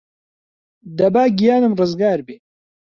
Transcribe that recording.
دەبا گیانم رزگار بێ